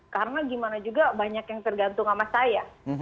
karena gimana juga banyak yang tergantung sama saya